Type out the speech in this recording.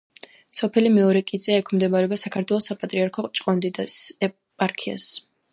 სოფელი მეორე კიწია ექვემდებარება საქართველოს საპატრიარქოს ჭყონდიდის ეპარქიას.